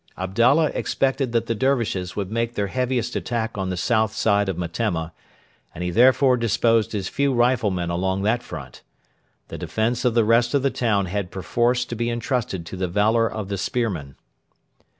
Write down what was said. Abdalla expected that the Dervishes would make their heaviest attack on the south side of Metemma, and he therefore disposed his few riflemen along that front. The defence of the rest of the town had perforce to be entrusted to the valour of the spearmen.